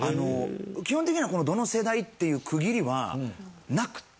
基本的にはどの世代っていう区切りはなくて。